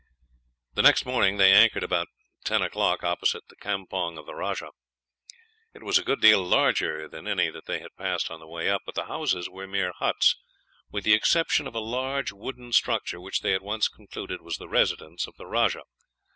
The next morning they anchored about ten o'clock opposite the campong of the rajah. It was a good deal larger than any that they had passed on the way up, but the houses were mere huts, with the exception of a large wooden structure, which they at once concluded was the residence of the rajah.